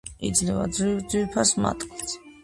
იძლევა ძვირფას მატყლს.